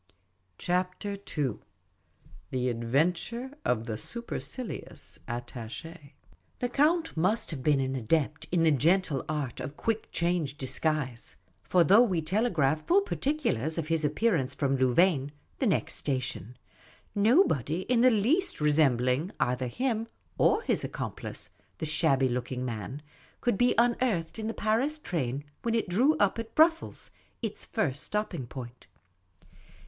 CHAPTER II THE ADVENTURE OF THE SUPERCILIOUS ATTACH:^ THE Count must have been an adept in the gentle art of quick change disguise ; for though we telegraphed full particulars of his appearance from Louvain, the next station, nobody in the least resembling either him or his accomplice, the shabby looking man, could be unearthed in the Paris train when it drew up at Brussels, its first stop ping place.